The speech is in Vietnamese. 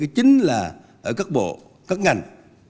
chính là ở các bộ các ngành